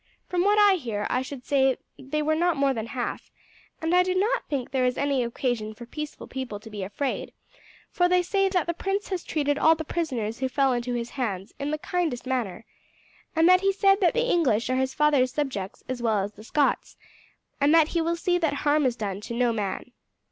"From what I hear I should say they were not more than half; and I do not think there is any occasion for peaceful people to be afraid, for they say that the prince has treated all the prisoners who fell into his hands in the kindest manner, and that he said that the English are his father's subjects as well as the Scots, and that he will see that harm is done to no man."